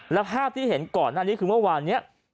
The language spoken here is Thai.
และภาพที่เห็นก่อนฝั่งหน้านี้คือวันเมื่อนี้